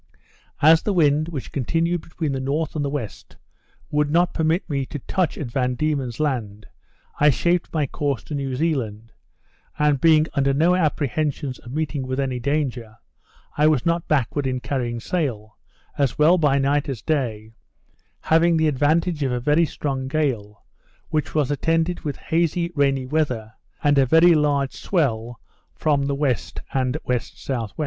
As the wind, which continued between the north and the west, would not permit me to touch at Van Diemen's Land, I shaped my course to New Zealand; and, being under no apprehensions of meeting with any danger, I was not backward in carrying sail, as well by night as day, having the advantage of a very strong gale, which was attended with hazy rainy weather, and a very large swell from the W. and W.S.W.